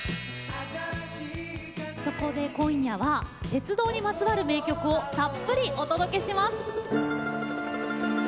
そこで今夜は鉄道にまつわる名曲を、たっぷりお届けします。